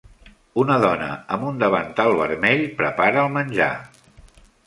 Una dona amb un davantal vermell prepara el menjar.